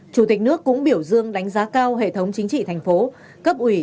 chủ tịch nước cũng biểu dương đánh giá cao hệ thống chính trị thành phố cấp ủy